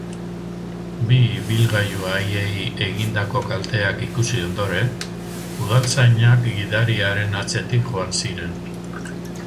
Bi ibilgailu haiei egindako kalteak ikusi ondoren, udaltzainak gidariaren atzetik joan ziren.